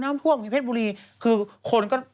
มีเพชรบุรีคือคนก็